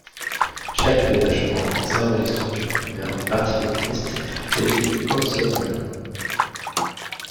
Chaque détachement conservait les structures primaires du Parti communiste et du Komsomoll.